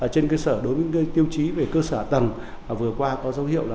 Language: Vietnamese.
trên cơ sở đối với tiêu chí về cơ sở tầng vừa qua có dấu hiệu